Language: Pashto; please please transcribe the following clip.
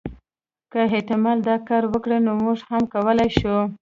که احتمالا دا کار وکړي نو موږ هم کولای شو.